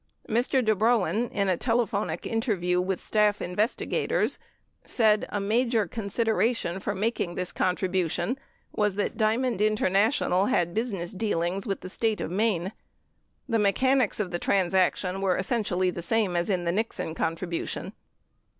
Mr. Dubrowin, in a telephonic inter view with staff investigators, said a major consideration for making this contribution was that Diamond International had business deal ings with the State of Maine. The mechanics of the transaction were essentially the same as in the Nixon contribution.